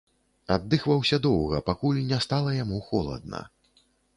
Аддыхваўся доўга, пакуль не стала яму холадна.